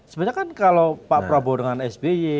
sebenarnya kan kalau pak prabowo dengan sby